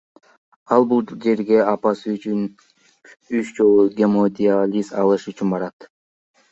Ал бул жерге аптасына үч жолу гемодиализ алыш үчүн барат.